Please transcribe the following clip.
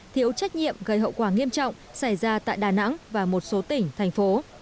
thiếu trách nhiệm gây hậu quả nghiêm trọng xảy ra tại đà nẵng và một số tỉnh thành phố